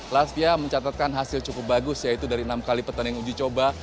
lasvia mencatatkan hasil cukup bagus yaitu dari enam kali pertandingan uji coba